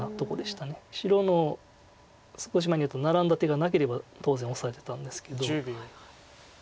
白の少し前に打ったナラんだ手がなければ当然オサえてたんですけど。